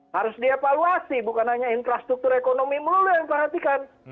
harus dievaluasi bukan hanya infrastruktur ekonomi melalui yang diperhatikan